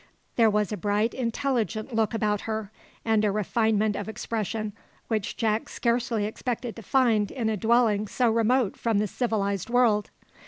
There was a bright, intelligent look about her, and a refinement of expression which Jack scarcely expected to find in a dwelling so remote from the civilised world.